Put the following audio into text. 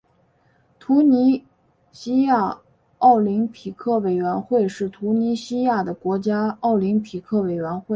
突尼西亚奥林匹克委员会是突尼西亚的国家奥林匹克委员会。